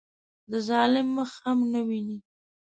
د ظالم مخ هم نه ویني.